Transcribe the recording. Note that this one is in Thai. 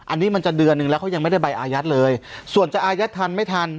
อันนี้มันจะเดือนหนึ่งแล้วเขายังไม่ได้ใบอายัดเลยส่วนจะอายัดทันไม่ทัน